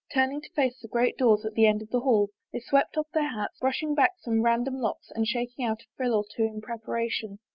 Turning to face the great doors at the end of the hall, they swept off their hats, brushing back some random locks and shaking out a frill or two in preparation.